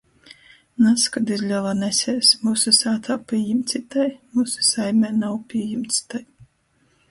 Nazkod iz lela nesēs: myusu sātā pījimts itai, myusu saimē nav pījimts tai.